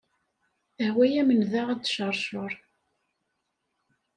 Tehwa-am nnda ad d-tecceṛceṛ.